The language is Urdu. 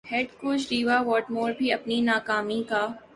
ہیڈ کوچ ڈیو واٹمور بھی اپنی ناکامی کا